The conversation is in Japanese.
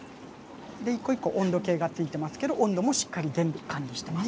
で一個一個温度計がついてますけど温度もしっかり全部管理してます。